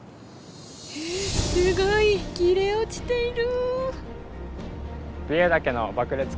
すごい切れ落ちている。